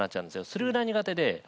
それぐらい苦手で。